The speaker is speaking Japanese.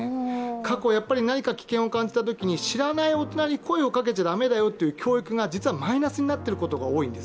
過去、何か危険を感じたときに知らない大人に声をかけちゃ駄目だよという今日行くが実はマイナスになっていることが多いんです。